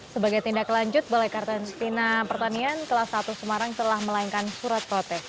sebagai tindak lanjut balai karantina pertanian kelas satu semarang telah melayangkan surat protes